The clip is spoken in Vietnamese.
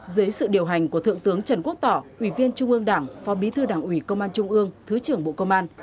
dưới sự điều hành của thượng tướng trần quốc tỏ ủy viên trung ương đảng phó bí thư đảng ủy công an trung ương thứ trưởng bộ công an